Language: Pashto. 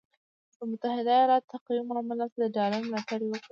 د متحده ایالاتو قوي معلوماتو د ډالر ملاتړ وکړ،